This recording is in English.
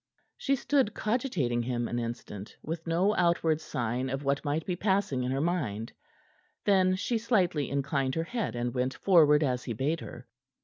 She stood cogitating him an instant, with no outward sign of what might be passing in her mind; then she slightly inclined her head, and went forward as he bade her.